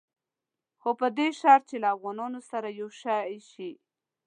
خو په دې شرط چې له افغانانو سره یو شي.